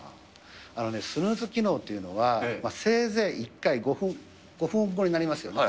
あのね、スヌーズ機能というのは、せいぜい１回、５分後に鳴りますよね。